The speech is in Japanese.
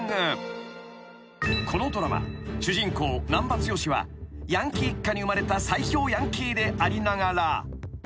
［このドラマ主人公難破剛はヤンキー一家に生まれた最強ヤンキーでありながら］